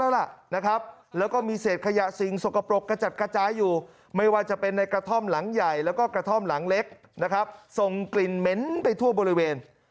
แล้วก็มีเสร็จขยะสิงสกปรกกัจจัดกระจายอยู่ไม่ว่าจะเป็นในกระท่อมหลังใหญ่แล้วก็กระท่อมหลังเล็กส่งกลิ่นเหม็นไปทั่วบริเวณ